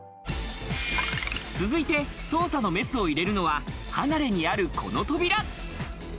続いて捜査のメスを入れるのは離れにある、この扉。